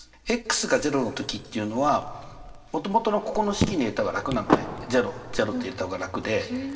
が０の時っていうのはもともとのここの式に入れた方が楽なのね００って入れた方が楽で。